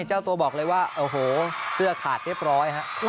เจ้าตัวบอกเลยว่าโอ้โหเสื้อขาดเรียบร้อยฮะ